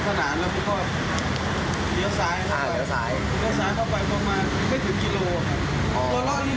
ในตลาดไม่มีแต่เป็นแผง